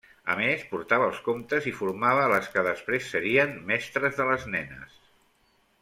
A més, portava els comptes i formava les que després serien mestres de les nenes.